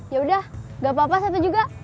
yaudah gak apa apa satu juga